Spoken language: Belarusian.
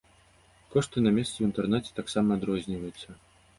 Кошты на месцы ў інтэрнаце таксама адрозніваюцца.